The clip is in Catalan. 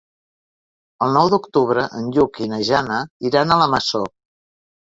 El nou d'octubre en Lluc i na Jana iran a la Masó.